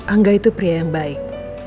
angga itu pria yang baik